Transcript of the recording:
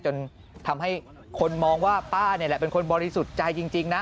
จนทำให้คนมองว่าป้านี่แหละเป็นคนบริสุทธิ์ใจจริงนะ